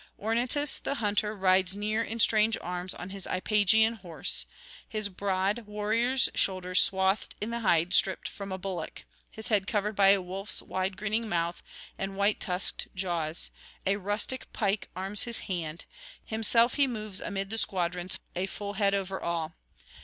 Ornytus the hunter rides near in strange arms on his Iapygian horse, his broad warrior's shoulders swathed in the hide stripped from a bullock, his head covered by a wolf's wide grinning mouth and white tusked jaws; a rustic pike arms his hand; himself he moves amid the squadrons a full head over all.